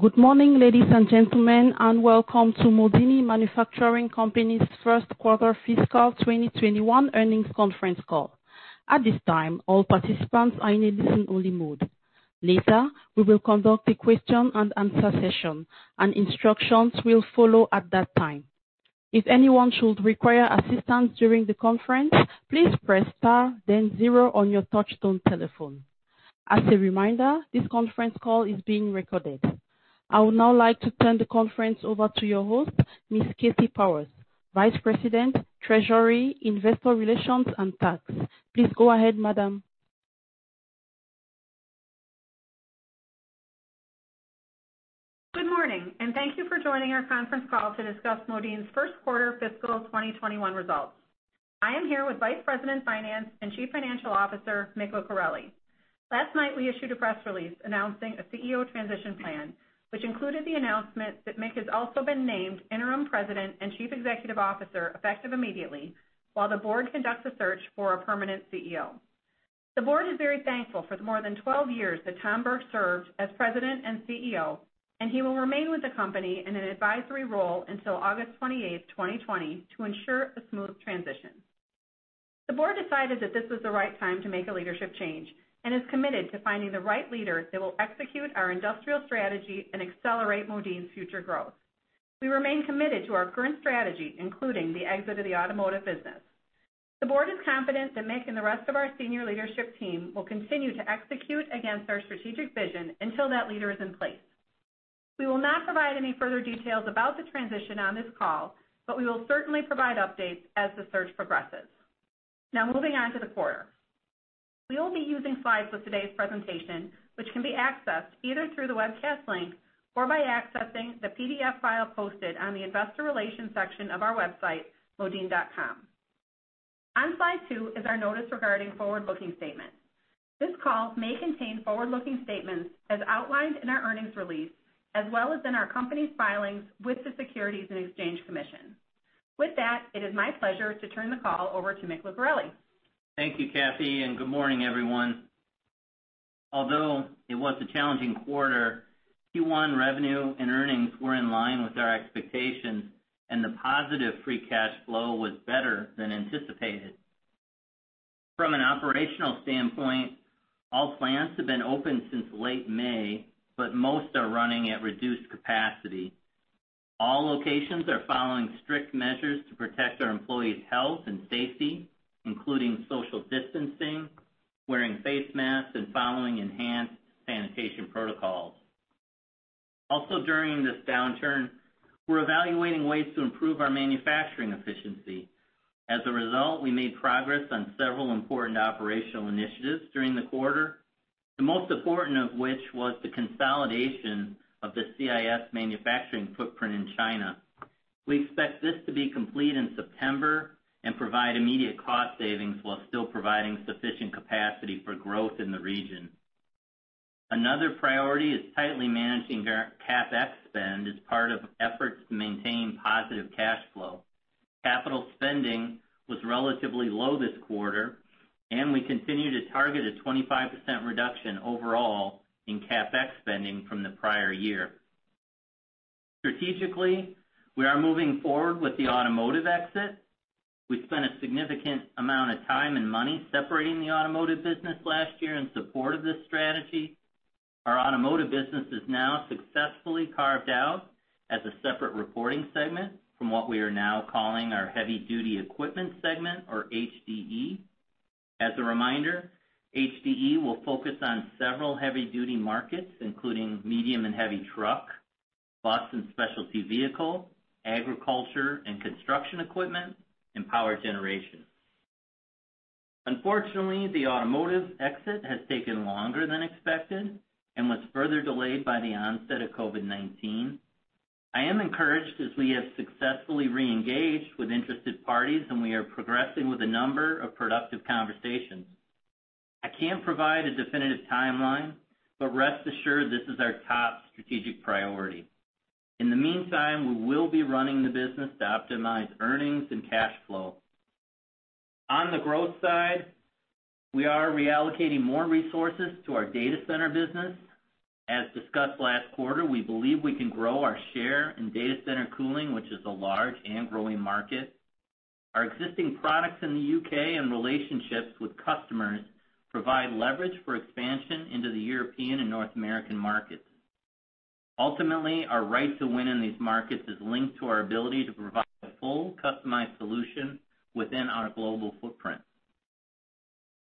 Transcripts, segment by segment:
Good morning, ladies and gentlemen, and welcome to Modine Manufacturing Company's first quarter fiscal 2021 earnings conference call. At this time, all participants are in listen-only mode. Later, we will conduct a question and answer session, and instructions will follow at that time. If anyone should require assistance during the conference, please press star then zero on your touchtone telephone. As a reminder, this conference call is being recorded. I would now like to turn the conference over to your host, Miss Kathy Powers, Vice President, Treasury, Investor Relations, and Tax. Please go ahead, madam. Good morning, and thank you for joining our conference call to discuss Modine's first-quarter fiscal 2021 results. I am here with Vice President, Finance, and Chief Financial Officer, Mick Lucareli. Last night, we issued a press release announcing a CEO transition plan, which included the announcement that Mick has also been named Interim President and Chief Executive Officer, effective immediately, while the board conducts a search for a permanent CEO. The board is very thankful for the more than 12 years that Tom Burke served as President and CEO, and he will remain with the company in an advisory role until August 28th, 2020, to ensure a smooth transition. The board decided that this was the right time to make a leadership change, and is committed to finding the right leader that will execute our industrial strategy and accelerate Modine's future growth. We remain committed to our current strategy, including the exit of the automotive business. The board is confident that Mick and the rest of our senior leadership team will continue to execute against our strategic vision until that leader is in place. We will not provide any further details about the transition on this call, but we will certainly provide updates as the search progresses. Moving on to the quarter. We will be using slides for today's presentation, which can be accessed either through the webcast link or by accessing the PDF file posted on the Investor Relations section of our website, modine.com. On slide two is our notice regarding forward-looking statements. This call may contain forward-looking statements as outlined in our earnings release, as well as in our company's filings with the Securities and Exchange Commission. With that, it is my pleasure to turn the call over to Mick Lucareli. Thank you, Kathy, and good morning, everyone. Although it was a challenging quarter, Q1 revenue and earnings were in line with our expectations, and the positive free cash flow was better than anticipated. From an operational standpoint, all plants have been open since late May, but most are running at reduced capacity. All locations are following strict measures to protect our employees' health and safety, including social distancing, wearing face masks, and following enhanced sanitation protocols. Also, during this downturn, we're evaluating ways to improve our manufacturing efficiency. As a result, we made progress on several important operational initiatives during the quarter. The most important of which was the consolidation of the CIS manufacturing footprint in China. We expect this to be complete in September and provide immediate cost savings while still providing sufficient capacity for growth in the region. Another priority is tightly managing our CapEx spend as part of efforts to maintain positive cash flow. Capital spending was relatively low this quarter, and we continue to target a 25% reduction overall in CapEx spending from the prior year. Strategically, we are moving forward with the automotive exit. We spent a significant amount of time and money separating the automotive business last year in support of this strategy. Our automotive business is now successfully carved out as a separate reporting segment from what we are now calling our Heavy Duty Equipment segment, or HDE. As a reminder, HDE will focus on several heavy-duty markets, including medium and heavy truck, bus and specialty vehicle, agriculture and construction equipment, and power generation. Unfortunately, the automotive exit has taken longer than expected and was further delayed by the onset of COVID-19. I am encouraged as we have successfully reengaged with interested parties, and we are progressing with a number of productive conversations. I can't provide a definitive timeline, but rest assured this is our top strategic priority. In the meantime, we will be running the business to optimize earnings and cash flow. On the growth side, we are reallocating more resources to our data center business. As discussed last quarter, we believe we can grow our share in data center cooling, which is a large and growing market. Our existing products in the U.K. and relationships with customers provide leverage for expansion into the European and North American markets. Ultimately, our right to win in these markets is linked to our ability to provide a full customized solution within our global footprint.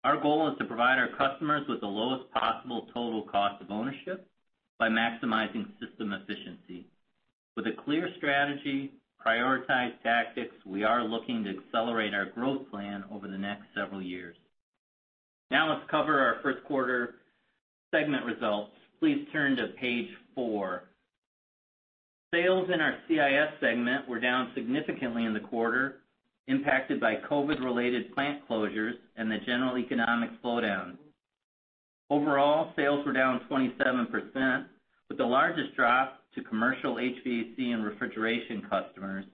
Our goal is to provide our customers with the lowest possible total cost of ownership by maximizing system efficiency. With a clear strategy, prioritized tactics, we are looking to accelerate our growth plan over the next several years. Now let's cover our first quarter segment results. Please turn to page four. Sales in our CIS segment were down significantly in the quarter, impacted by COVID-related plant closures and the general economic slowdown. Overall, sales were down 27%, with the largest drop to commercial HVAC and refrigeration customers.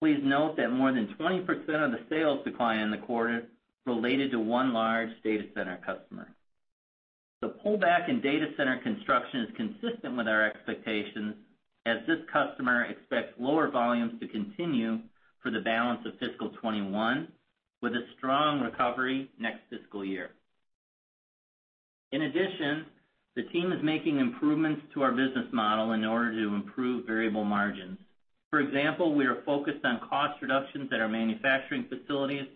Please note that more than 20% of the sales decline in the quarter related to one large data center customer. The pullback in data center construction is consistent with our expectations, as this customer expects lower volumes to continue for the balance of fiscal 2021, with a strong recovery next fiscal year. In addition, the team is making improvements to our business model in order to improve variable margins. For example, we are focused on cost reductions at our manufacturing facilities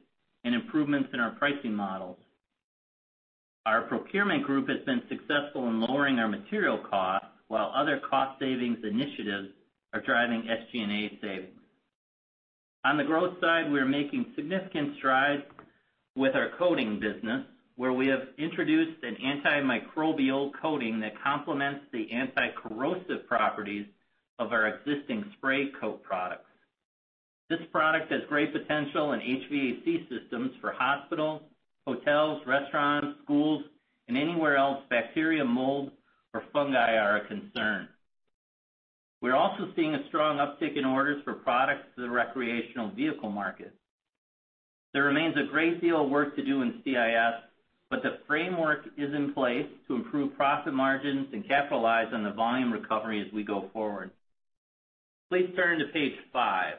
and improvements in our pricing models. Our procurement group has been successful in lowering our material costs, while other cost-savings initiatives are driving SG&A savings. On the growth side, we are making significant strides with our coating business, where we have introduced an antimicrobial coating that complements the anticorrosive properties of our existing spray coat products. This product has great potential in HVAC systems for hospitals, hotels, restaurants, schools, and anywhere else bacteria, mold, or fungi are a concern. We're also seeing a strong uptick in orders for products to the recreational vehicle market. There remains a great deal of work to do in CIS, but the framework is in place to improve profit margins and capitalize on the volume recovery as we go forward. Please turn to page five.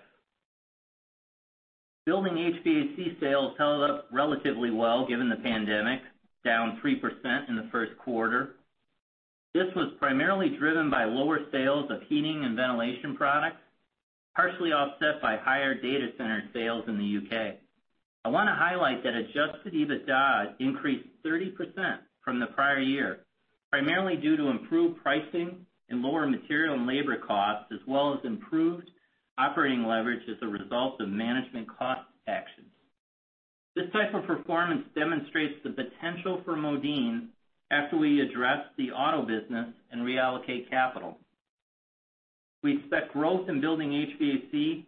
Building HVAC sales held up relatively well, given the pandemic, down 3% in the first quarter. This was primarily driven by lower sales of heating and ventilation products, partially offset by higher data center sales in the U.K. I want to highlight that adjusted EBITDA increased 30% from the prior year, primarily due to improved pricing and lower material and labor costs, as well as improved operating leverage as a result of management cost actions. This type of performance demonstrates the potential for Modine after we address the auto business and reallocate capital. We expect growth in Building HVAC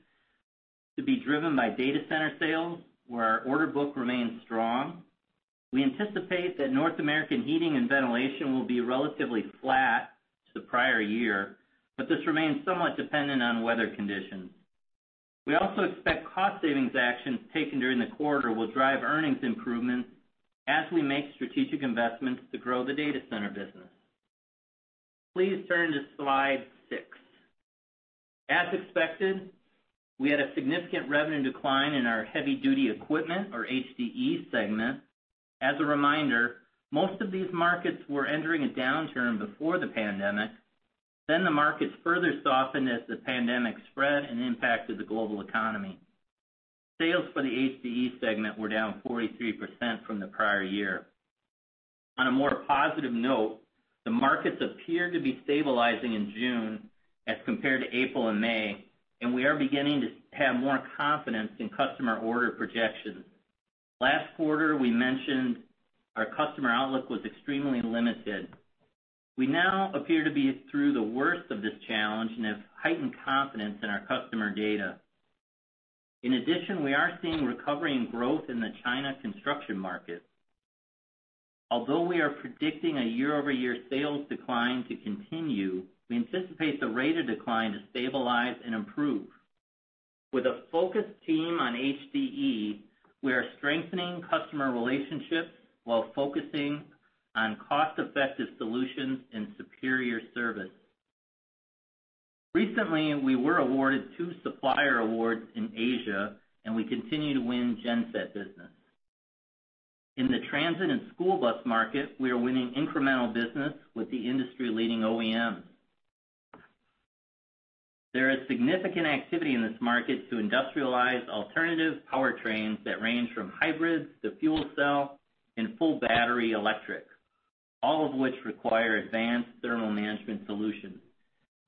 to be driven by data center sales, where our order book remains strong. We anticipate that North American heating and ventilation will be relatively flat to the prior year, but this remains somewhat dependent on weather conditions. We also expect cost savings actions taken during the quarter will drive earnings improvements as we make strategic investments to grow the data center business. Please turn to slide six. As expected, we had a significant revenue decline in our Heavy Duty Equipment, or HDE segment. As a reminder, most of these markets were entering a downturn before the pandemic. The markets further softened as the pandemic spread and impacted the global economy. Sales for the HDE segment were down 43% from the prior year. On a more positive note, the markets appear to be stabilizing in June as compared to April and May, and we are beginning to have more confidence in customer order projections. Last quarter, we mentioned our customer outlook was extremely limited. We now appear to be through the worst of this challenge and have heightened confidence in our customer data. In addition, we are seeing recovery and growth in the China construction market. Although we are predicting a year-over-year sales decline to continue, we anticipate the rate of decline to stabilize and improve. With a focused team on HDE, we are strengthening customer relationships while focusing on cost-effective solutions and superior service. Recently, we were awarded two supplier awards in Asia, and we continue to win genset business. In the transit and school bus market, we are winning incremental business with the industry-leading OEMs. There is significant activity in this market to industrialize alternative powertrains that range from hybrid to fuel cell and full battery electric, all of which require advanced thermal management solutions.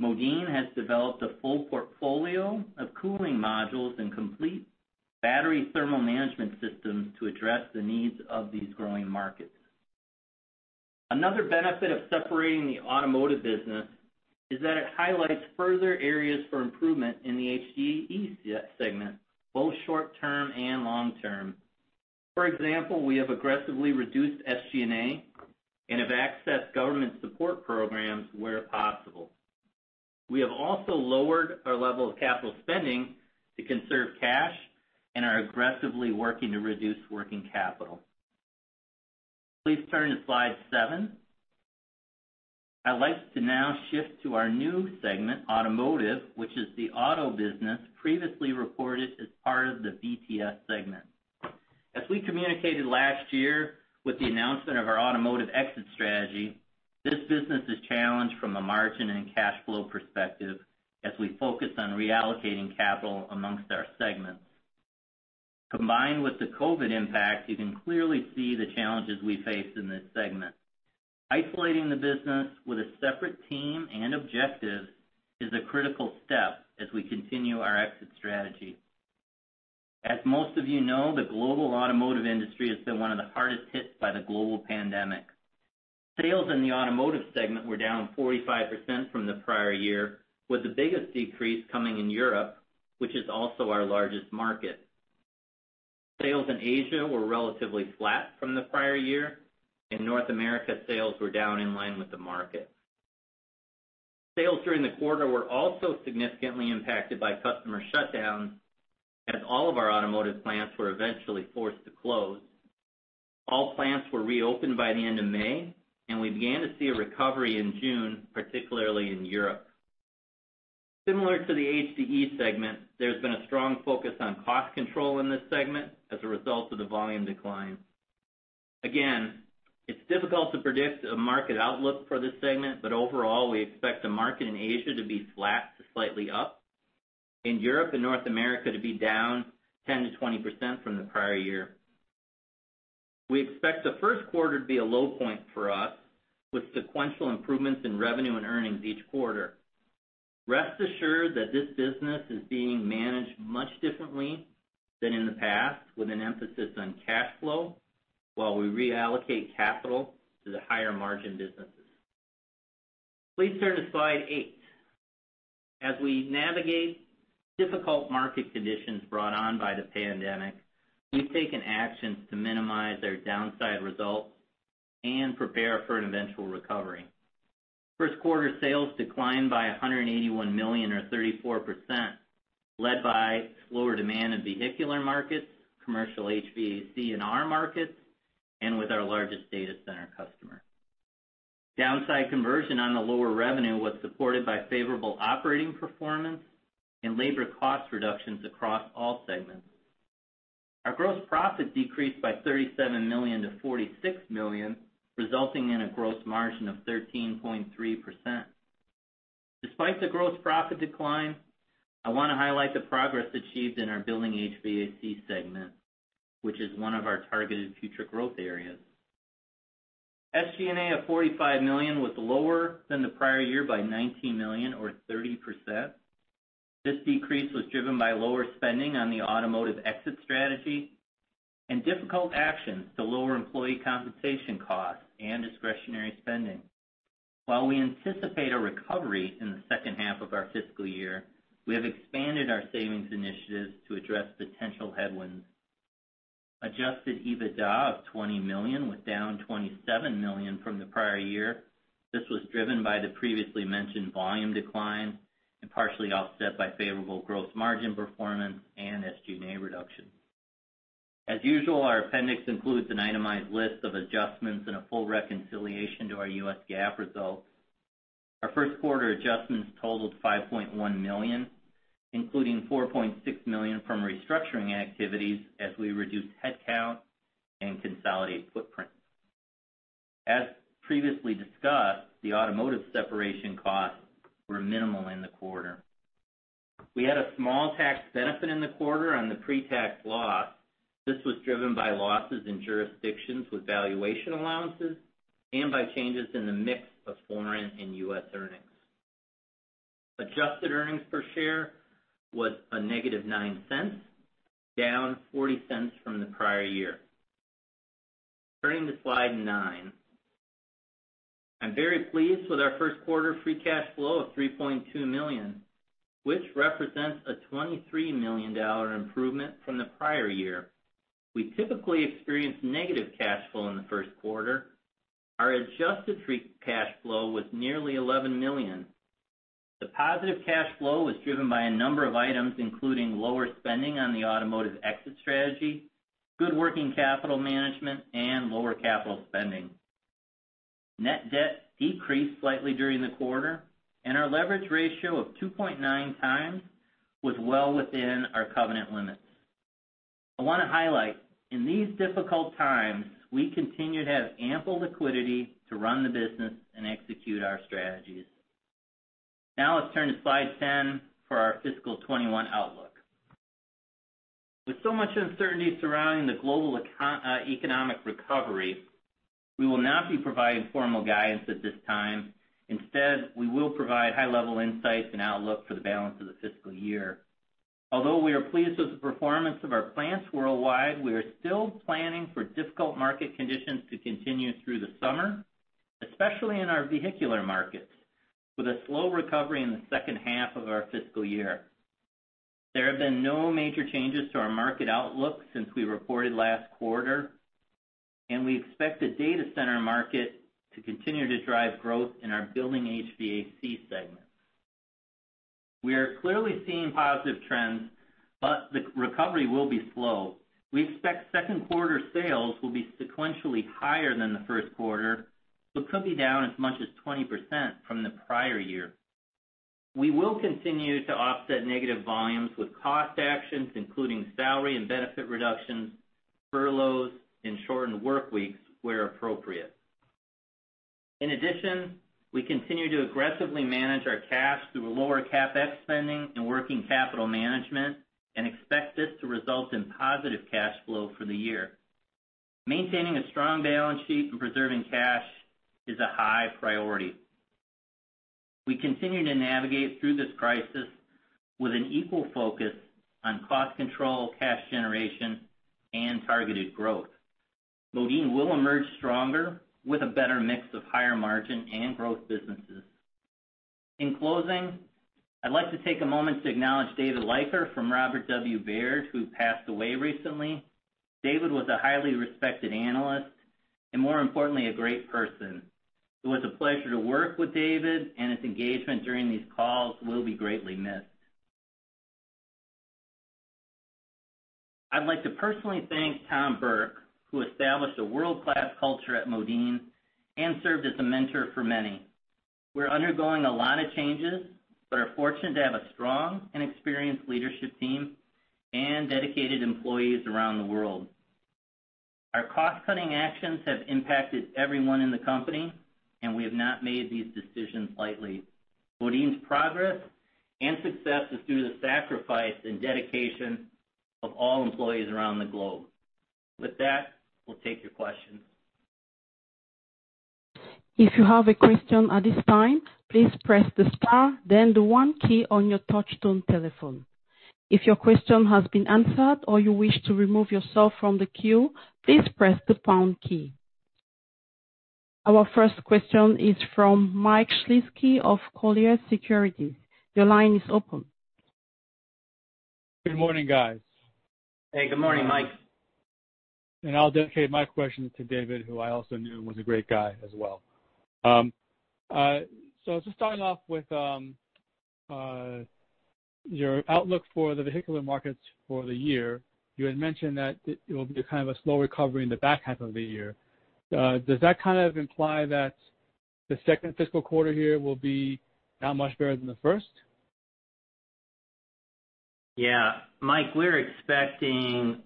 Modine has developed a full portfolio of cooling modules and complete battery thermal management systems to address the needs of these growing markets. Another benefit of separating the automotive business is that it highlights further areas for improvement in the HDE segment, both short term and long term. For example, we have aggressively reduced SG&A and have accessed government support programs where possible. We have also lowered our level of capital spending to conserve cash and are aggressively working to reduce working capital. Please turn to slide seven. I'd like to now shift to our new segment, Automotive, which is the auto business previously reported as part of the VTS segment. As we communicated last year with the announcement of our automotive exit strategy, this business is challenged from a margin and cash flow perspective as we focus on reallocating capital amongst our segments. Combined with the COVID impact, you can clearly see the challenges we face in this segment. Isolating the business with a separate team and objective is a critical step as we continue our exit strategy. As most of you know, the global automotive industry has been one of the hardest hit by the global pandemic. Sales in the Automotive segment were down 45% from the prior year, with the biggest decrease coming in Europe, which is also our largest market. Sales in Asia were relatively flat from the prior year. In North America, sales were down in line with the market. Sales during the quarter were also significantly impacted by customer shutdowns, as all of our automotive plants were eventually forced to close. All plants were reopened by the end of May, and we began to see a recovery in June, particularly in Europe. Similar to the HDE segment, there's been a strong focus on cost control in this segment as a result of the volume decline. Again, it's difficult to predict a market outlook for this segment, but overall, we expect the market in Asia to be flat to slightly up, and Europe and North America to be down 10%-20% from the prior year. We expect the first quarter to be a low point for us, with sequential improvements in revenue and earnings each quarter. Rest assured that this business is being managed much differently than in the past, with an emphasis on cash flow while we reallocate capital to the higher-margin businesses. Please turn to slide eight. As we navigate difficult market conditions brought on by the pandemic, we've taken actions to minimize their downside results and prepare for an eventual recovery. First quarter sales declined by $181 million or 34%, led by lower demand in vehicular markets, commercial HVAC in our markets, and with our largest data center customer. Downside conversion on the lower revenue was supported by favorable operating performance and labor cost reductions across all segments. Our gross profit decreased by $37 million to $46 million, resulting in a gross margin of 13.3%. Despite the gross profit decline, I want to highlight the progress achieved in our Building HVAC segment, which is one of our targeted future growth areas. SG&A of $45 million was lower than the prior year by $19 million or 30%. This decrease was driven by lower spending on the automotive exit strategy and difficult actions to lower employee compensation costs and discretionary spending. While we anticipate a recovery in the second half of our fiscal year, we have expanded our savings initiatives to address potential headwinds. Adjusted EBITDA of $20 million was down $27 million from the prior year. This was driven by the previously mentioned volume decline and partially offset by favorable gross margin performance and SG&A reduction. As usual, our appendix includes an itemized list of adjustments and a full reconciliation to our U.S. GAAP results. Our first quarter adjustments totaled $5.1 million, including $4.6 million from restructuring activities as we reduce headcount and consolidate footprints. As previously discussed, the automotive separation costs were minimal in the quarter. We had a small tax benefit in the quarter on the pre-tax loss. This was driven by losses in jurisdictions with valuation allowances and by changes in the mix of foreign and U.S. earnings. Adjusted earnings per share was a -$0.09, down $0.40 from the prior year. Turning to slide nine. I'm very pleased with our first quarter free cash flow of $3.2 million, which represents a $23 million improvement from the prior year. We typically experience negative cash flow in the first quarter. Our adjusted free cash flow was nearly $11 million. The positive cash flow was driven by a number of items, including lower spending on the automotive exit strategy, good working capital management, and lower capital spending. Net debt decreased slightly during the quarter, and our leverage ratio of 2.9x was well within our covenant limits. I want to highlight, in these difficult times, we continue to have ample liquidity to run the business and execute our strategies. Now let's turn to slide 10 for our fiscal 2021 outlook. With so much uncertainty surrounding the global economic recovery, we will not be providing formal guidance at this time. Instead, we will provide high-level insights and outlook for the balance of the fiscal year. Although we are pleased with the performance of our plants worldwide, we are still planning for difficult market conditions to continue through the summer, especially in our vehicular markets, with a slow recovery in the second half of our fiscal year. There have been no major changes to our market outlook since we reported last quarter, and we expect the data center market to continue to drive growth in our Building HVAC segment. We are clearly seeing positive trends, but the recovery will be slow. We expect second quarter sales will be sequentially higher than the first quarter, but could be down as much as 20% from the prior year. We will continue to offset negative volumes with cost actions, including salary and benefit reductions, furloughs, and shortened work weeks where appropriate. In addition, we continue to aggressively manage our cash through a lower CapEx spending and working capital management and expect this to result in positive cash flow for the year. Maintaining a strong balance sheet and preserving cash is a high priority. We continue to navigate through this crisis with an equal focus on cost control, cash generation, and targeted growth. Modine will emerge stronger with a better mix of higher margin and growth businesses. In closing, I'd like to take a moment to acknowledge David Leiker from Robert W. Baird, who passed away recently. David was a highly respected analyst and, more importantly, a great person. It was a pleasure to work with David, and his engagement during these calls will be greatly missed. I'd like to personally thank Tom Burke, who established a world-class culture at Modine and served as a mentor for many. We're undergoing a lot of changes, but are fortunate to have a strong and experienced leadership team and dedicated employees around the world. Our cost-cutting actions have impacted everyone in the company, and we have not made these decisions lightly. Modine's progress and success is due to the sacrifice and dedication of all employees around the globe. With that, we'll take your questions. If you have a question at this time, please press the star, then the one key on your touchtone telephone. If your question has been answered or you wish to remove yourself from the queue, please press the pound key. Our first question is from Mike Shlisky of Colliers Securities. Your line is open. Good morning, guys. Hey. Good morning, Mike. I'll dedicate my question to David, who I also knew and was a great guy as well. Just starting off with your outlook for the vehicular markets for the year, you had mentioned that it will be kind of a slow recovery in the back half of the year. Does that kind of imply that the second fiscal quarter here will be not much better than the first? Yeah. Mike, we're expecting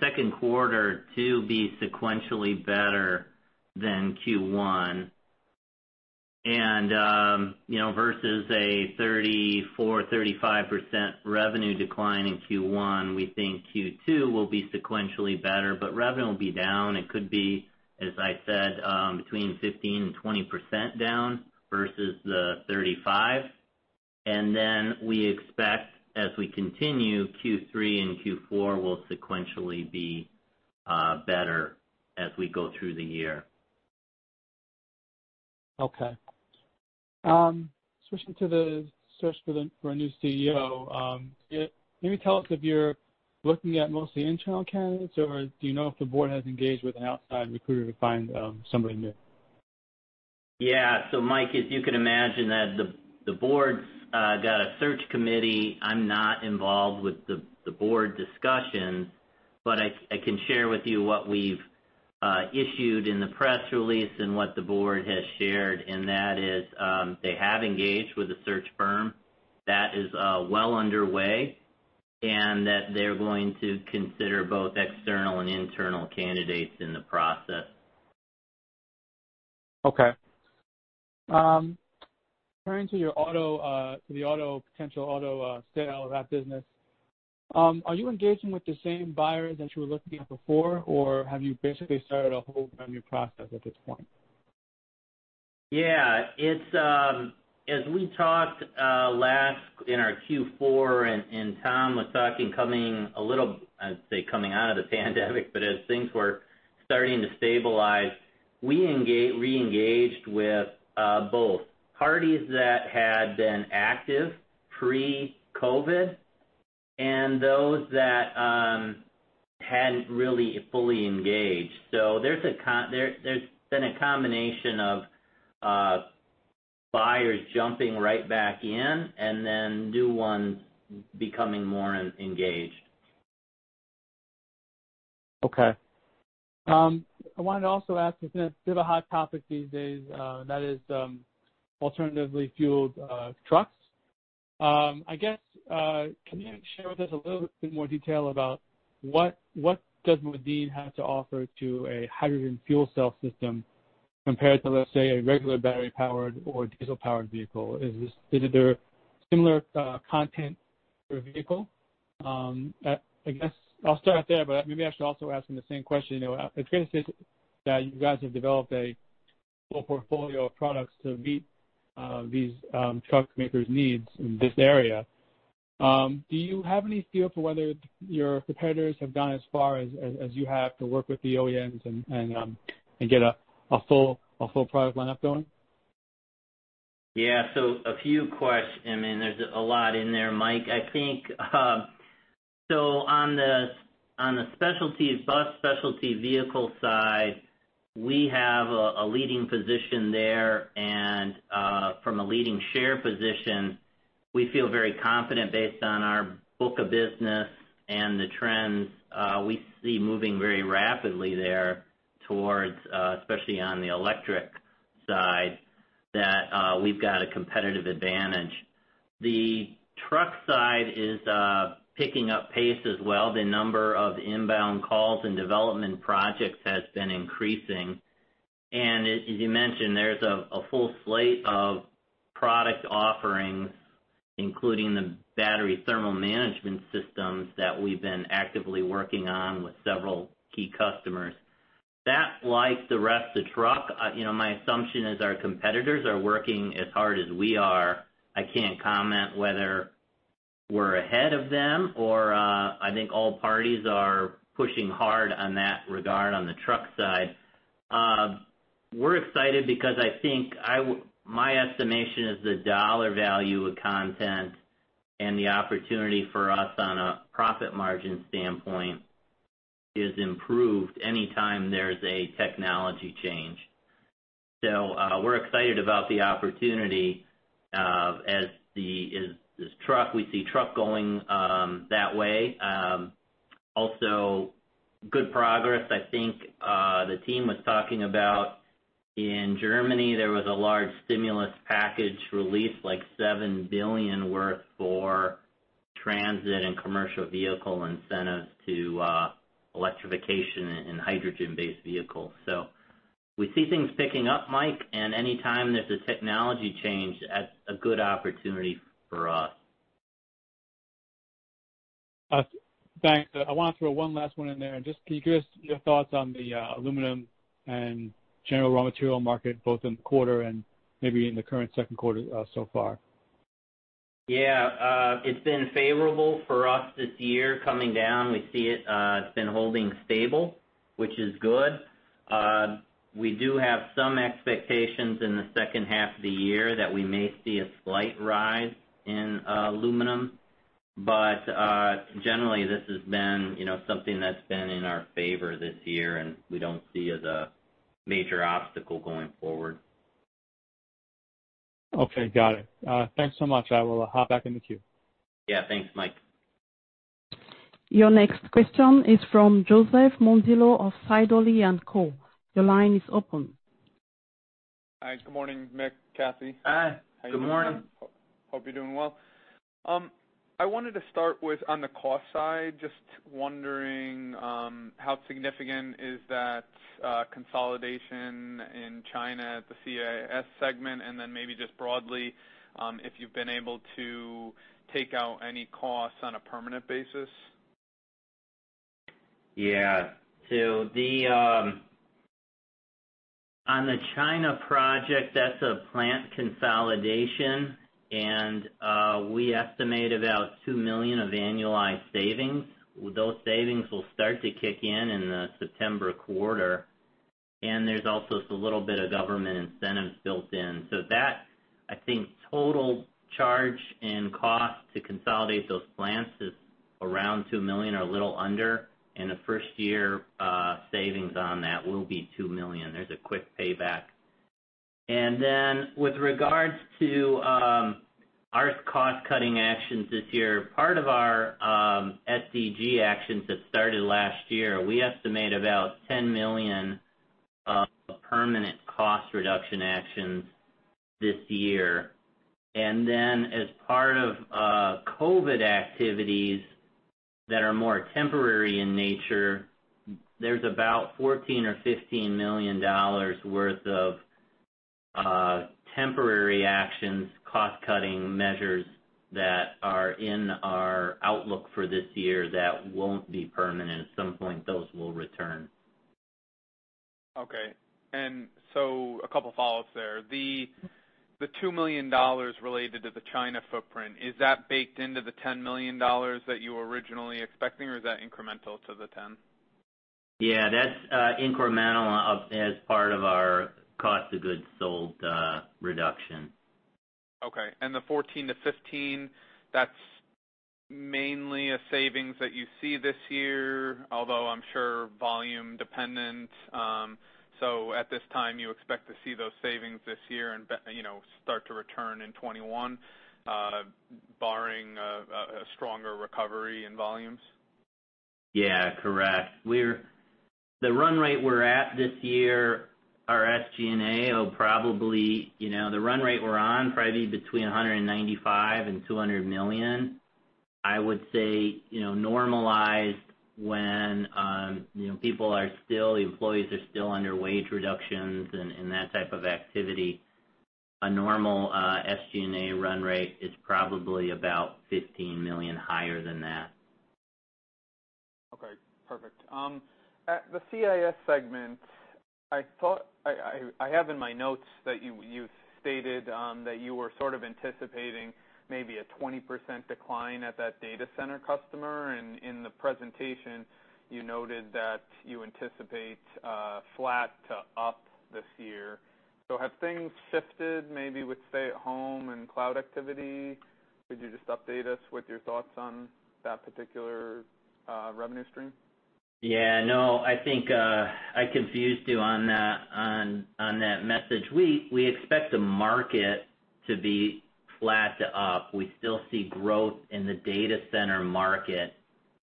second quarter to be sequentially better than Q1. Versus a 34%-35% revenue decline in Q1, we think Q2 will be sequentially better, but revenue will be down. It could be, as I said, between 15% and 20% down versus the 35%. We expect, as we continue, Q3 and Q4 will sequentially be better as we go through the year. Switching to the search for a new CEO, can you tell us if you're looking at mostly internal candidates, or do you know if the board has engaged with an outside recruiter to find somebody new? Yeah. Mike, as you can imagine, the board's got a search committee. I'm not involved with the board discussions, but I can share with you what we've issued in the press release and what the board has shared, and that is they have engaged with a search firm. That is well underway and that they're going to consider both external and internal candidates in the process. Okay. Turning to the potential auto sale of that business, are you engaging with the same buyers that you were looking at before, or have you basically started a whole new process at this point? Yeah. As we talked last in our Q4, and Tom was talking coming a little, I'd say, coming out of the pandemic, but as things were starting to stabilize, we reengaged with both parties that had been active pre-COVID and those that hadn't really fully engaged. So there's been a combination of buyers jumping right back in and then new ones becoming more engaged. Okay. I wanted to also ask, it's a bit of a hot topic these days, that is alternatively fueled trucks. Can you share with us a little bit more detail about what does Modine have to offer to a hydrogen fuel cell system compared to, let's say, a regular battery-powered or diesel-powered vehicle? Is it a similar content per vehicle? I'll start there, maybe I should also ask him the same question. It's great that you guys have developed a whole portfolio of products to meet these truck makers' needs in this area. Do you have any feel for whether your competitors have gone as far as you have to work with the OEMs and get a full product lineup going? Yeah. A few questions. I mean, there's a lot in there, Mike. On the bus specialty vehicle side, we have a leading position there, and from a leading share position, we feel very confident based on our book of business and the trends we see moving very rapidly there towards, especially on the electric side, that we've got a competitive advantage. The truck side is picking up pace as well. The number of inbound calls and development projects has been increasing. As you mentioned, there's a full slate of product offerings, including the battery thermal management systems that we've been actively working on with several key customers. That, like the rest of the truck, my assumption is our competitors are working as hard as we are. I can't comment whether we're ahead of them, or I think all parties are pushing hard on that regard on the truck side. We're excited because I think my estimation is the dollar value of content and the opportunity for us on a profit margin standpoint is improved anytime there's a technology change. We're excited about the opportunity. As we see truck going that way. Also, good progress. I think the team was talking about in Germany, there was a large stimulus package released, like 7 billion worth for transit and commercial vehicle incentives to electrification and hydrogen-based vehicles. We see things picking up, Mike, and anytime there's a technology change, that's a good opportunity for us. Thanks. I want to throw one last one in there, and just can you give us your thoughts on the aluminum and general raw material market, both in the quarter and maybe in the current second quarter so far? It's been favorable for us this year coming down. We see it's been holding stable, which is good. We do have some expectations in the second half of the year that we may see a slight rise in aluminum. Generally, this has been something that's been in our favor this year, and we don't see as a major obstacle going forward. Okay, got it. Thanks so much. I will hop back in the queue. Yeah. Thanks, Mike. Your next question is from Joseph Mondillo of Sidoti & Co. Your line is open. Hi. Good morning, Mick, Kathy. Hi. Good morning. Hope you're doing well. I wanted to start with, on the cost side, just wondering, how significant is that consolidation in China at the CIS segment, and then maybe just broadly, if you've been able to take out any costs on a permanent basis? On the China project, that's a plant consolidation and we estimate about $2 million of annualized savings. Those savings will start to kick in in the September quarter. There's also a little bit of government incentives built in. That, I think total charge in cost to consolidate those plants is around $2 million or a little under. The first year savings on that will be $2 million. There's a quick payback. With regards to our cost-cutting actions this year, part of our SG&A actions that started last year, we estimate about $10 million of permanent cost reduction actions this year. As part of COVID activities that are more temporary in nature, there's about $14 million or $15 million worth of temporary actions, cost-cutting measures that are in our outlook for this year that won't be permanent. At some point, those will return. Okay. A couple follows there. The $2 million related to the China footprint, is that baked into the $10 million that you were originally expecting or is that incremental to the $10 million? That's incremental as part of our cost of goods sold reduction. Okay. The $14 million-$15 million, that's mainly a savings that you see this year, although I'm sure volume dependent. At this time, you expect to see those savings this year and start to return in 2021, barring a stronger recovery in volumes? Yeah, correct. The run rate we're on probably between $195 million and $200 million. I would say, normalized when employees are still under wage reductions and that type of activity, a normal SG&A run rate is probably about $15 million higher than that. Okay, perfect. At the CIS segment, I have in my notes that you've stated that you were sort of anticipating maybe a 20% decline at that data center customer. In the presentation, you noted that you anticipate flat to up this year. Have things shifted maybe with stay-at-home and cloud activity? Could you just update us with your thoughts on that particular revenue stream? Yeah. No, I think I confused you on that message. We expect the market to be flat to up. We still see growth in the data center market.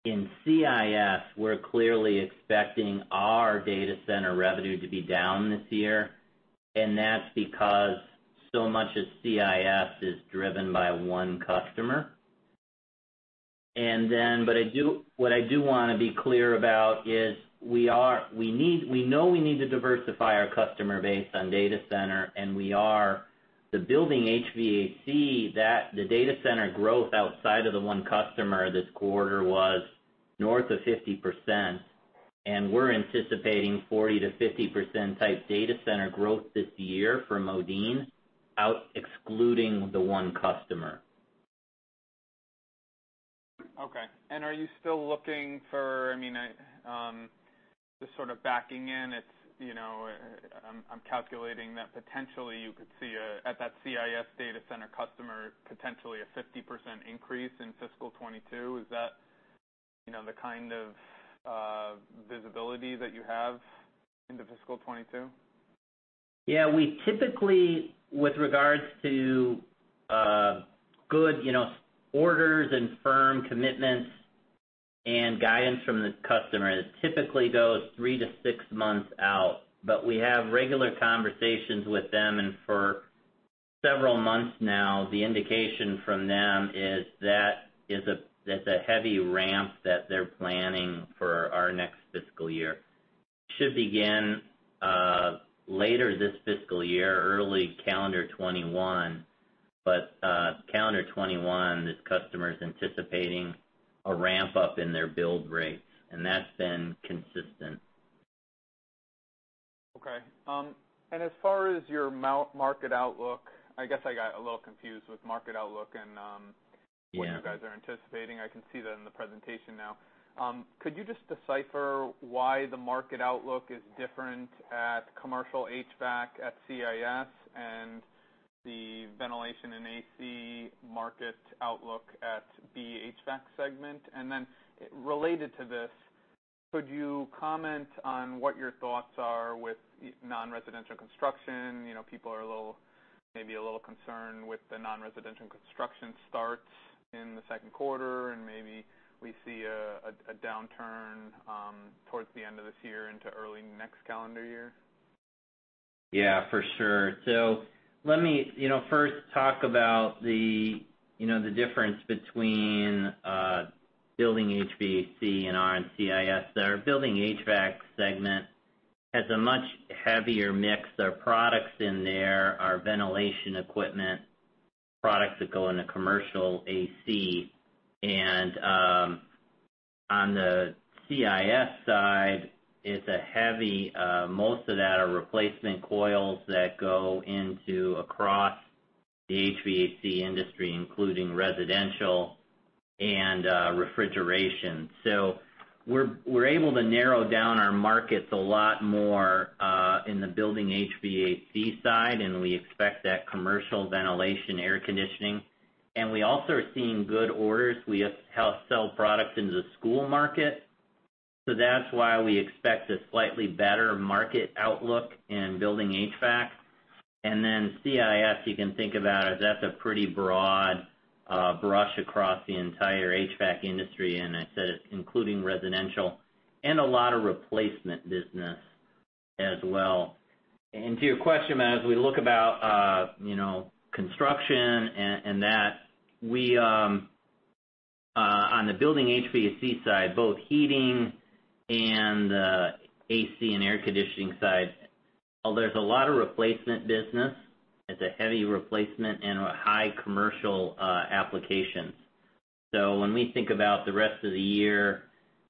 In CIS, we're clearly expecting our data center revenue to be down this year, and that's because so much of CIS is driven by one customer. What I do want to be clear about is we know we need to diversify our customer base on data center, and we are. The building HVAC, the data center growth outside of the one customer this quarter was north of 50%. And we're anticipating 40%-50% type data center growth this year for Modine, excluding the one customer. Okay. Just sort of backing in, I'm calculating that potentially you could see, at that CIS data center customer, potentially a 50% increase in fiscal 2022. Is that the kind of visibility that you have into fiscal 2022? Yeah. With regards to good orders and firm commitments and guidance from the customer, it typically goes three to six months out. We have regular conversations with them, and for several months now, the indication from them is that's a heavy ramp that they're planning for our next fiscal year. Should begin later this fiscal year, early calendar 2021. Calendar 2021, this customer's anticipating a ramp-up in their build rates, and that's been consistent. Okay. As far as your market outlook, I guess I got a little confused with market outlook and- Yeah.... what you guys are anticipating. I can see that in the presentation now. Could you just decipher why the market outlook is different at commercial HVAC at CIS and the ventilation and AC market outlook at BHVAC segment? Related to this, could you comment on what your thoughts are with non-residential construction? People are maybe a little concerned with the non-residential construction starts in the second quarter, and maybe we see a downturn towards the end of this year into early next calendar year. Yeah, for sure. Let me first talk about the difference between Building HVAC and our CIS there. Building HVAC segment has a much heavier mix of products in there, our ventilation equipment products that go into commercial AC. On the CIS side, most of that are replacement coils that go into across the HVAC industry, including residential and refrigeration. We're able to narrow down our markets a lot more in the Building HVAC side, and we expect that commercial ventilation, air conditioning. We also are seeing good orders. We help sell products into the school market. That's why we expect a slightly better market outlook in Building HVAC. Then CIS, you can think about, that's a pretty broad brush across the entire HVAC industry, and I said it's including residential and a lot of replacement business as well. To your question, as we look about construction and that, on the Building HVAC side, both heating and the AC and air conditioning side, there's a lot of replacement business. It's a heavy replacement and a high commercial application. When we think about the rest of the year,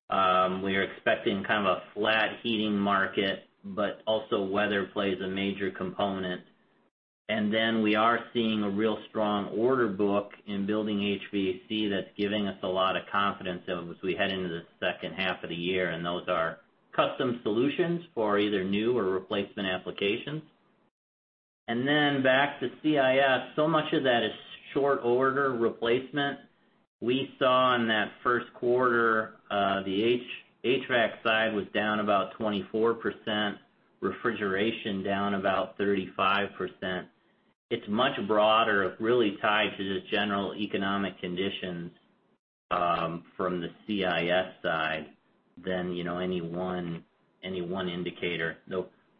we are expecting kind of a flat heating market, but also weather plays a major component. Then we are seeing a real strong order book in Building HVAC that's giving us a lot of confidence as we head into the second half of the year, and those are custom solutions for either new or replacement applications. Then back to CIS, so much of that is short order replacement. We saw in that first quarter, the HVAC side was down about 24%, refrigeration down about 35%. It's much broader, really tied to the general economic conditions from the CIS side than any one indicator.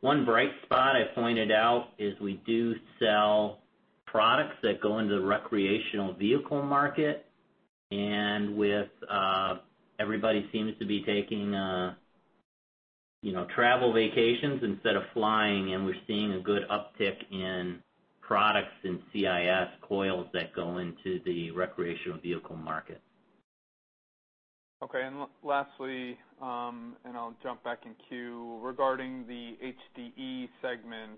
One bright spot I pointed out is we do sell products that go into the recreational vehicle market, and everybody seems to be taking travel vacations instead of flying, and we're seeing a good uptick in products in CIS coils that go into the recreational vehicle market. Okay. Lastly, I'll jump back in the queue. Regarding the HDE segment,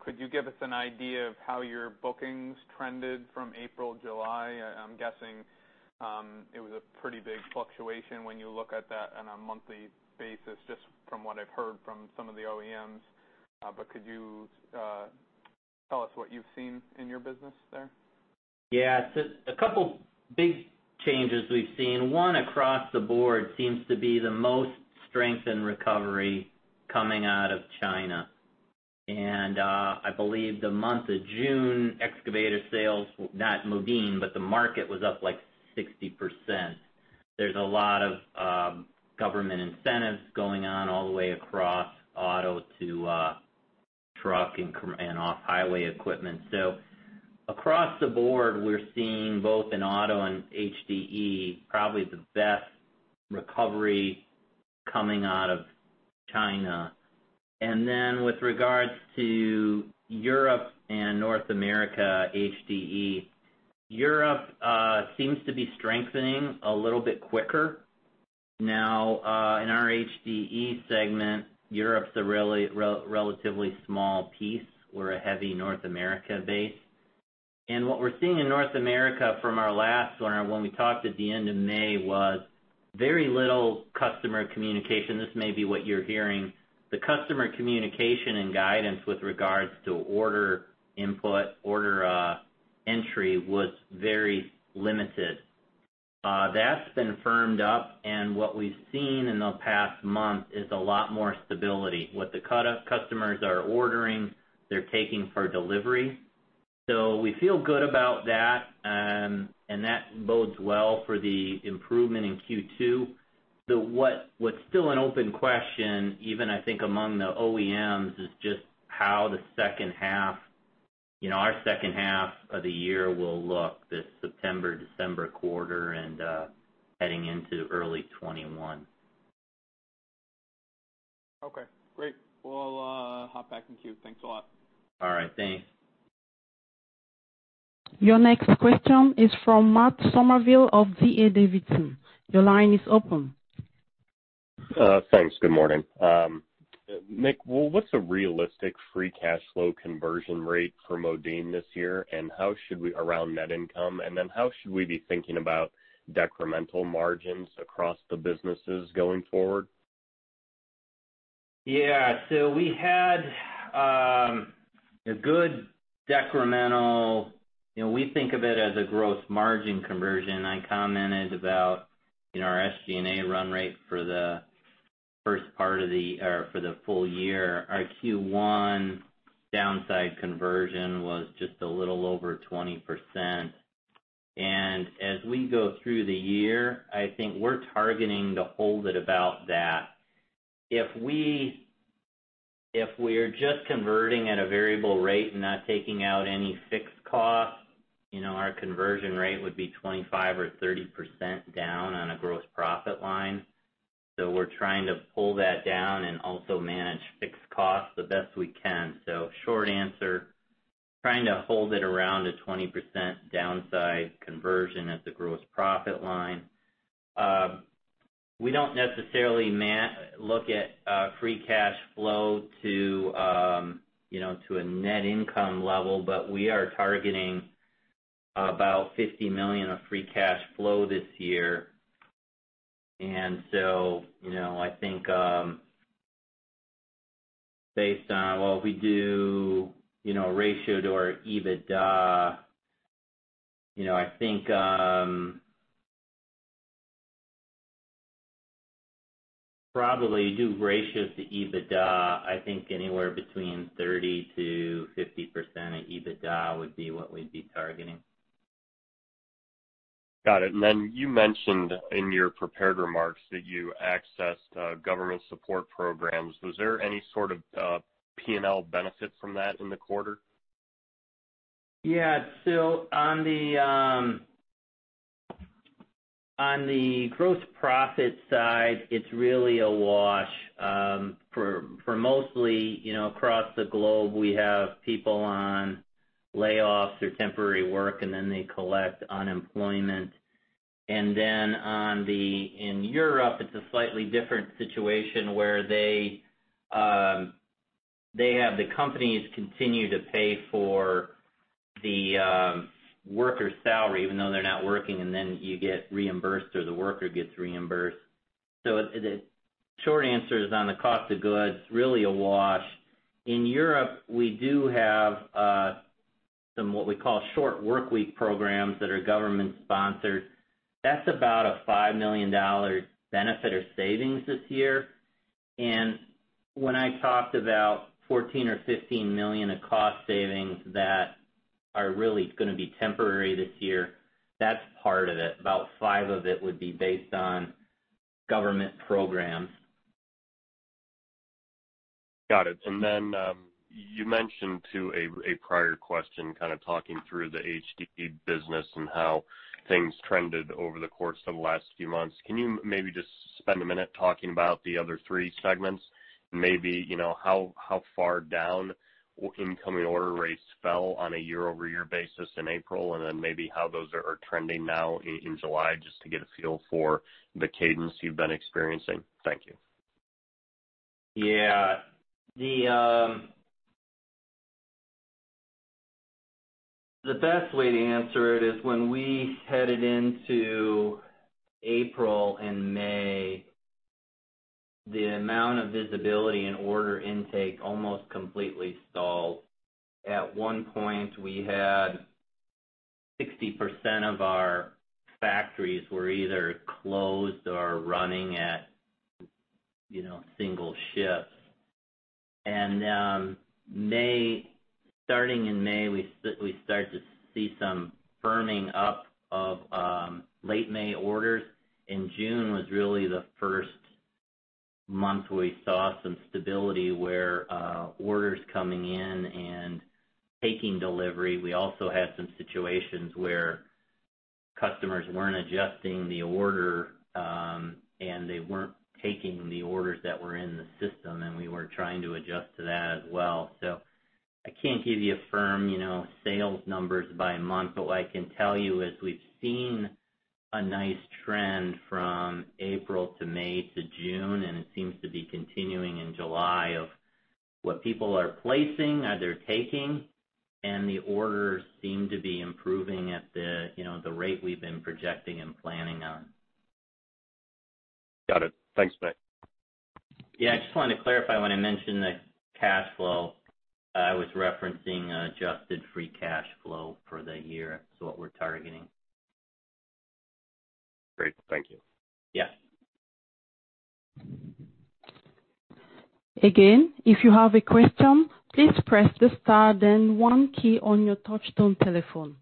could you give us an idea of how your bookings trended from April, July? I'm guessing it was a pretty big fluctuation when you look at that on a monthly basis, just from what I've heard from some of the OEMs. Could you tell us what you've seen in your business there? Yeah. A couple big changes we've seen. One across the board seems to be the most strength in recovery coming out of China. I believe the month of June, excavator sales, not Modine, but the market was up, like, 60%. There's a lot of government incentives going on all the way across auto to truck and off-highway equipment. Across the board, we're seeing both in auto and HDE, probably the best recovery coming out of China. With regards to Europe and North America HDE, Europe seems to be strengthening a little bit quicker now. In our HDE segment, Europe's a relatively small piece. We're a heavy North America base. What we're seeing in North America from our last one, when we talked at the end of May, was very little customer communication. This may be what you're hearing. The customer communication and guidance with regards to order input, order entry was very limited. That's been firmed up, and what we've seen in the past month is a lot more stability. What the customers are ordering, they're taking for delivery. We feel good about that, and that bodes well for the improvement in Q2. What's still an open question, even I think among the OEMs, is just how our second half of the year will look this September, December quarter and heading into early 2021. Okay, great. Well, I'll hop back in queue. Thanks a lot. All right, thanks. Your next question is from Matt Summerville of D.A. Davidson. Your line is open. Thanks. Good morning. Mick, what's a realistic free cash flow conversion rate for Modine this year? How should we be thinking about decremental margins across the businesses going forward? Yeah. We had a good decremental, we think of it as a gross margin conversion. I commented about our SG&A run rate for the full year. Our Q1 downside conversion was just a little over 20%. As we go through the year, I think we're targeting to hold it about that. If we're just converting at a variable rate and not taking out any fixed cost, our conversion rate would be 25% or 30% down on a gross profit line. We're trying to pull that down and also manage fixed costs the best we can. Short answer, trying to hold it around a 20% downside conversion at the gross profit line. We don't necessarily look at free cash flow to a net income level, we are targeting about $50 million of free cash flow this year. I think based on what we do, I think probably do ratios to EBITDA, I think anywhere between 30%-50% of EBITDA would be what we'd be targeting. Got it. You mentioned in your prepared remarks that you accessed government support programs. Was there any sort of P&L benefit from that in the quarter? Yeah. On the gross profit side, it's really a wash. For mostly across the globe, we have people on layoffs or temporary work, and then they collect unemployment. In Europe, it's a slightly different situation where they have the companies continue to pay for the worker's salary, even though they're not working, and then you get reimbursed or the worker gets reimbursed. The short answer is on the cost of goods, really a wash. In Europe, we do have some, what we call short workweek programs that are government sponsored. That's about a $5 million benefit or savings this year. When I talked about $14 million or $15 million of cost savings that are really going to be temporary this year, that's part of it. About $5 million of it would be based on government programs. Got it. Then, you mentioned to a prior question, kind of talking through the HDE business and how things trended over the course of the last few months. Can you maybe just spend a minute talking about the other three segments? Maybe, how far down incoming order rates fell on a year-over-year basis in April, and then maybe how those are trending now in July, just to get a feel for the cadence you've been experiencing. Thank you. Yeah. The best way to answer it is when we headed into April and May, the amount of visibility and order intake almost completely stalled. At one point, we had 60% of our factories were either closed or running at single shifts. Starting in May, we start to see some firming up of late May orders. In June was really the first month we saw some stability where orders coming in and taking delivery. We also had some situations where customers weren't adjusting the order, and they weren't taking the orders that were in the system, and we were trying to adjust to that as well. I can't give you firm sales numbers by month. What I can tell you is we've seen a nice trend from April to May to June, and it seems to be continuing in July of what people are placing, are they're taking, and the orders seem to be improving at the rate we've been projecting and planning on. Got it. Thanks, Mick. I just wanted to clarify, when I mentioned the cash flow, I was referencing adjusted free cash flow for the year, what we're targeting. Great. Thank you. Yeah. Again, if you have a question, please press the star then one key on your touchtone telephone.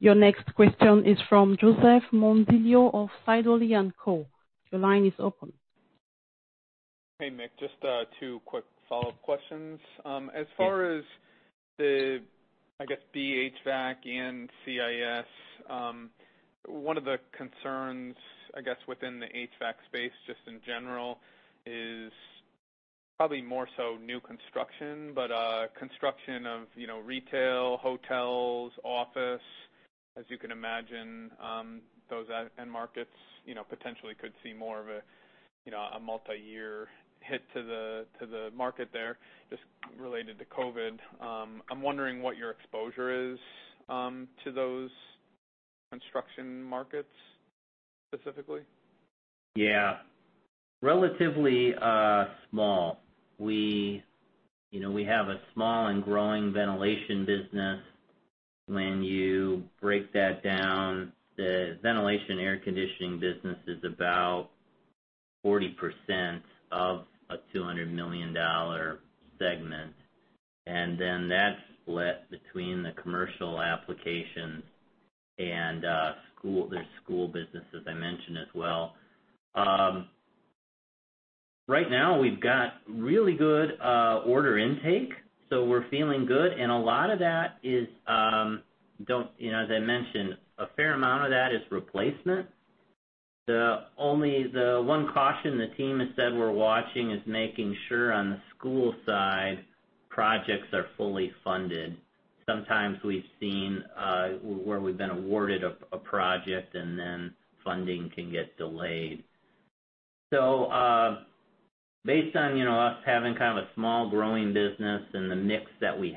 Your next question is from Joseph Mondillo of Sidoti & Co. Your line is open. Hey, Mick, just two quick follow-up questions? Yeah. As far as the, I guess, BHVAC and CIS, one of the concerns, I guess, within the HVAC space, just in general, is probably more so new construction. Construction of retail, hotels, office, as you can imagine, those end markets potentially could see more of a multiyear hit to the market there just related to COVID. I'm wondering what your exposure is to those construction markets specifically. Yeah. Relatively small. We have a small and growing ventilation business. When you break that down, the ventilation air conditioning business is about 40% of a $200 million segment. Then that's split between the commercial applications and the school business, as I mentioned as well. Right now we've got really good order intake, so we're feeling good. A lot of that is, as I mentioned, a fair amount of that is replacement. The one caution the team has said we're watching is making sure on the school side, projects are fully funded. Sometimes we've seen where we've been awarded a project and then funding can get delayed. Based on us having kind of a small growing business and the mix that we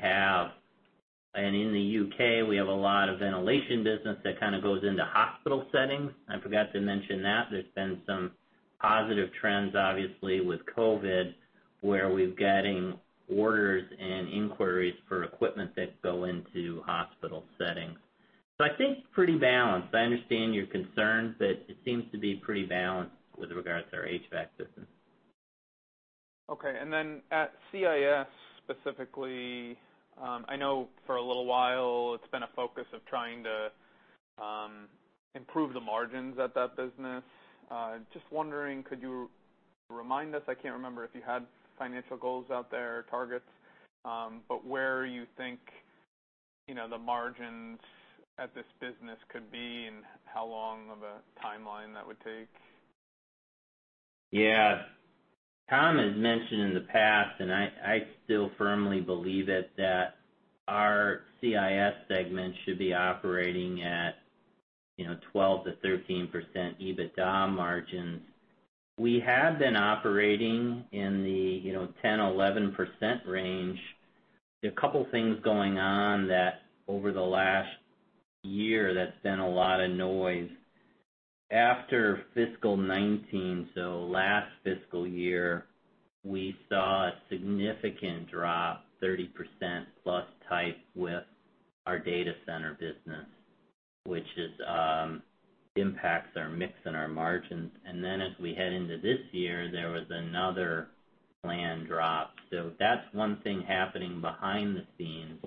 have, and in the U.K. we have a lot of ventilation business that kind of goes into hospital settings. I forgot to mention that. There's been some positive trends, obviously, with COVID, where we're getting orders and inquiries for equipment that go into hospital settings. I think pretty balanced. I understand your concerns, but it seems to be pretty balanced with regards to our HVAC system. Okay. At CIS specifically, I know for a little while it's been a focus of trying to improve the margins at that business. Just wondering, could you remind us, I can't remember if you had financial goals out there or targets, but where you think the margins at this business could be and how long of a timeline that would take? Tom has mentioned in the past, and I still firmly believe it, that our CIS segment should be operating at 12%-13% EBITDA margins. We have been operating in the 10%-11% range. There are two things going on that over the last year that's been a lot of noise. After fiscal 2019, last fiscal year, we saw a significant drop, 30%+ type with our data center business, which impacts our mix and our margins. As we head into this year, there was another planned drop. That's one thing happening behind the scenes.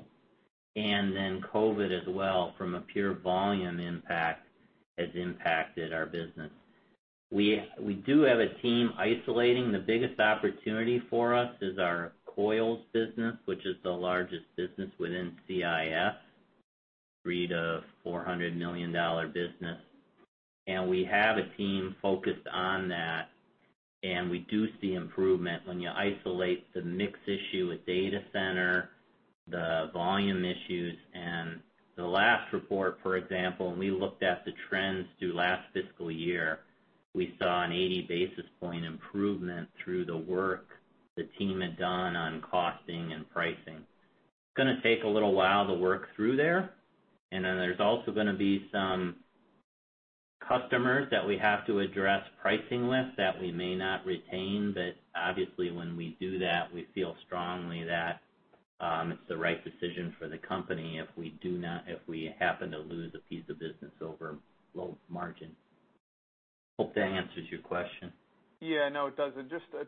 COVID as well from a pure volume impact has impacted our business. We do have a team isolating the biggest opportunity for us is our coils business, which is the largest business within CIS, $300 million-$400 million business. We have a team focused on that, and we do see improvement when you isolate the mix issue with data center, the volume issues. The last report, for example, when we looked at the trends through last fiscal year, we saw an 80 basis point improvement through the work the team had done on costing and pricing. It's going to take a little while to work through there. Then there's also going to be some customers that we have to address pricing with that we may not retain. Obviously, when we do that, we feel strongly that it's the right decision for the company if we happen to lose a piece of business over low margin. Hope that answers your question. Yeah. No, it does.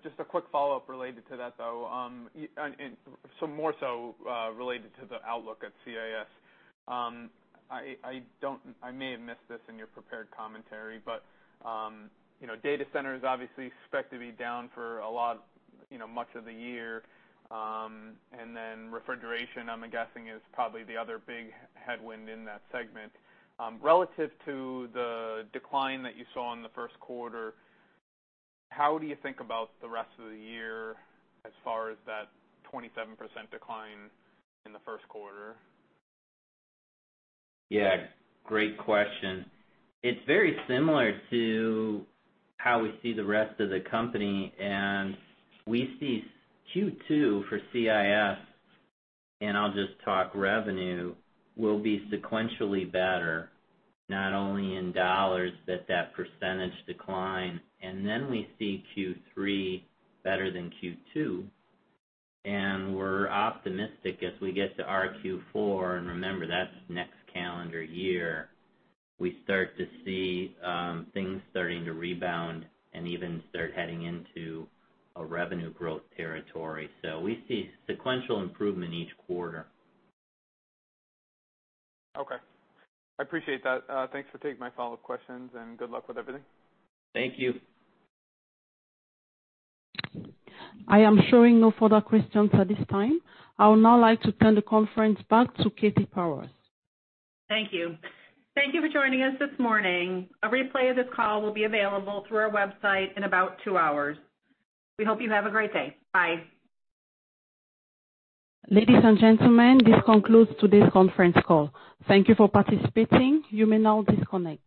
Just a quick follow-up related to that, though. More so related to the outlook at CIS. I may have missed this in your prepared commentary, data center is obviously expected to be down for much of the year. Then refrigeration, I'm guessing, is probably the other big headwind in that segment. Relative to the decline that you saw in the first quarter, how do you think about the rest of the year as far as that 27% decline in the first quarter? Yeah, great question. It's very similar to how we see the rest of the company, and we see Q2 for CIS, and I'll just talk revenue, will be sequentially better, not only in dollars but that percentage decline. We see Q3 better than Q2, and we're optimistic as we get to our Q4, and remember, that's next calendar year, we start to see things starting to rebound and even start heading into a revenue growth territory. We see sequential improvement each quarter. Okay. I appreciate that. Thanks for taking my follow-up questions and good luck with everything. Thank you. I am showing no further questions at this time. I would now like to turn the conference back to Kathy Powers. Thank you. Thank you for joining us this morning. A replay of this call will be available through our website in about two hours. We hope you have a great day. Bye. Ladies and gentlemen, this concludes today's conference call. Thank you for participating. You may now disconnect.